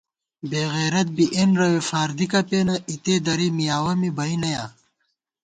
بېعِزَت بی اېنرَوے فار دِکہ پېنہ اِتے دری مِیاوَہ می بئ نَیا